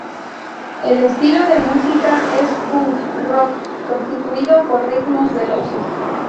El estilo de música es punk-rock, constituido por ritmos veloces.